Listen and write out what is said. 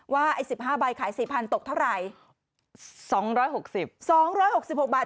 ว่าไอ้สิบห้าใบขายสี่พันตกเท่าไหร่สองร้อยหกสิบสองร้อยหกสิบหกบาท